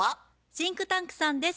シンクタンクさんです。